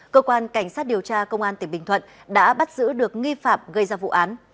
cơ quan cảnh sát điều tra công an tỉnh bình thuận đã bắt giữ được nghi phạm gây ra vụ án